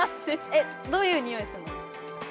えどういうにおいするの？